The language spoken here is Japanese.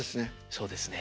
そうですね。